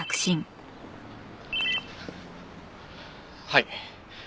はい。